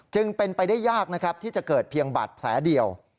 จึงเป็นไปได้ยากนะครับที่จะเกิดเพียงบาดแผลเดียว